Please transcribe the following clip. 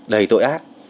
đầy tội ác